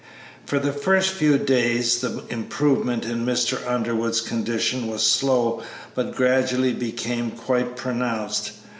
For the first few days the improvement in Mr. Underwood's condition was slow, but gradually became quite pronounced.